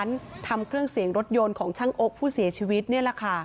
นี่คือหน้าร้านทำเครื่องเสียงรถยนต์ของช่างโอ๊กผู้เสียชีวิตนี่แหละค่ะ